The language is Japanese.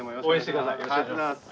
よろしくお願いします。